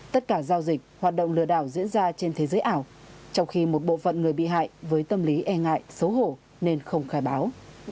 tất cả giao dịch hoạt động lừa đảo diễn ra trên thế giới ảo trong khi một bộ phận người bị hại với tâm lý e ngại xấu hổ nên không khai báo